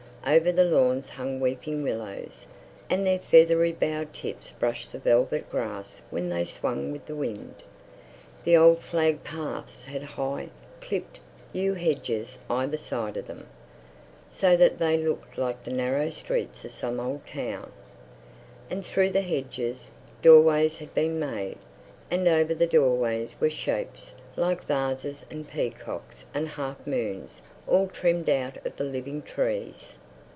Over the lawns hung weeping willows, and their feathery bough tips brushed the velvet grass when they swung with the wind. The old flagged paths had high, clipped, yew hedges either side of them, so that they looked like the narrow streets of some old town; and through the hedges, doorways had been made; and over the doorways were shapes like vases and peacocks and half moons all trimmed out of the living trees.